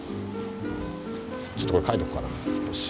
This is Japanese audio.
ちょっとこれ描いとこうかな少し。